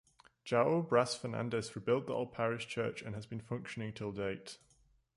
Joao Bras Fernandes rebuilt the old parish Church and has been functioning till date.